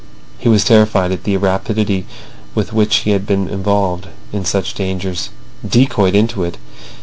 He was terrified at the rapidity with which he had been involved in such dangers—decoyed into it.